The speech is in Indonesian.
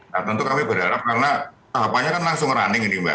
nah tentu kami berharap karena tahapannya kan langsung running ini mbak